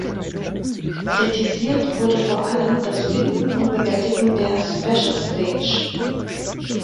Kritisiert wurde vor allem das Finden und Bewältigen der "Special Stage".